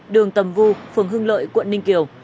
đường tầm vu phường hưng lợi quận ninh kiều